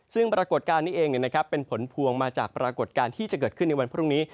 ซึ่งปรากฏการณ์นี้เองเป็นผลพวงมาจากปรากฏการณ์ที่จะเกิดขึ้นในวันพรุ่งนี้